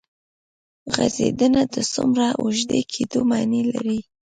غځېدنه د څومره اوږدې کېدو معنی لري.